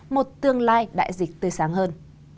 một tương lai đại dịch tươi sáng hơn